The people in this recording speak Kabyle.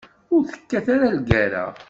Ur tekkat ara lgerra.